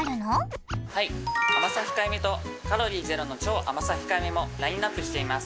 「甘さひかえめ」とカロリーゼロの「超甘さひかえめ」もラインナップしています。